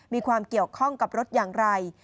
มีความเกี่ยวข้องกับรถอย่างไร